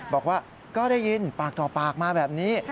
บอกว่าก็ได้ยินปากต่อปากมาแบบนี้